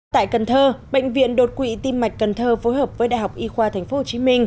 tại cần thơ bệnh viện đột quỵ tim mạch cần thơ phối hợp với đại học y khoa tp hcm